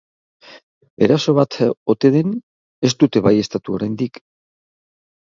Eraso bat ote den ez dute baieztatu oraindik.